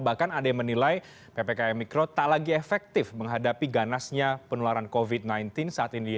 bahkan ada yang menilai ppkm mikro tak lagi efektif menghadapi ganasnya penularan covid sembilan belas saat ini